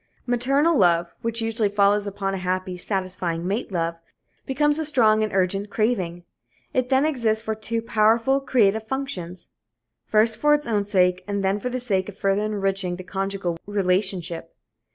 Maternal love, which usually follows upon a happy, satisfying mate love, becomes a strong and urgent craving. It then exists for two powerful, creative functions. First, for its own sake, and then for the sake of further enriching the conjugal relationship.